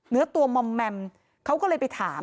เนื้อตัวมอมแมมเขาก็เลยไปถาม